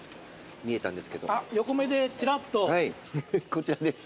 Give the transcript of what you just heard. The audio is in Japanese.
こちらです。